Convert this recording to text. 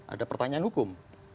ada pertanyaan hukum